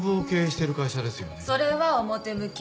それは表向き。